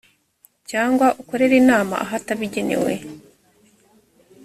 cyangwa ukorera inama ahatabigenewe